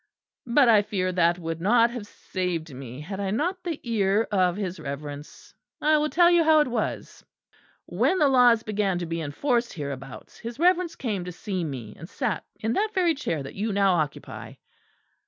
But I fear that would not have saved me, had I not the ear of his Reverence. I will tell you how it was. When the laws began to be enforced hereabouts, his Reverence came to see me; and sat in that very chair that you now occupy.